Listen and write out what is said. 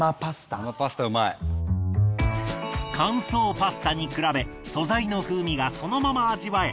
乾燥パスタに比べ素材の風味がそのまま味わえ